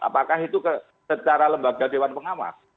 apakah itu secara lembaga dewan pengawas